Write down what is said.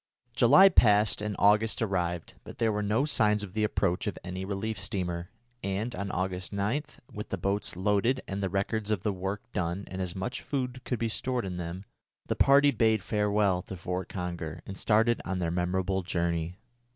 July passed and August arrived, but there were no signs of the approach of any relief steamer, and, on August 9, with the boats loaded with the records of the work done and as much food as could be stored in them, the party bade farewell to Fort Conger and started on their memorable journey.